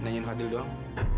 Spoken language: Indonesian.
nanyain fadil doang